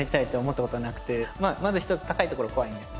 まず一つ高い所が怖いんです。